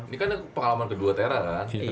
ini kan pengalaman kedua tera kan